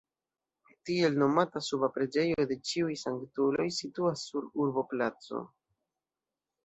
Tiel nomata suba preĝejo de Ĉiuj Sanktuloj situas sur urboplaco.